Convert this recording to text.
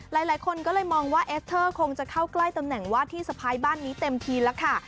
หลายคนก็เลยมองว่าเอสเตอร์คงจะเข้าใกล้ตำแหน่งวาดที่สะพายบ้านนี้เต็มทีแล้วค่ะ